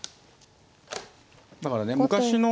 だからね昔の。